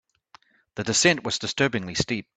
The descent was disturbingly steep.